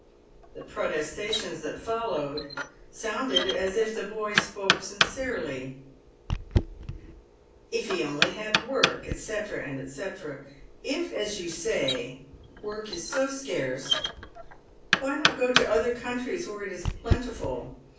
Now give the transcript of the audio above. The protestations that followed sounded as if the boy spoke sin cerely: "If he only had work," &c. &c. " If, as you say, work is so scarce, why not go to other countries where it is plentiful